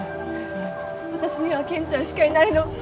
私には健ちゃんしかいないの。